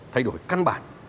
thay đổi căn bản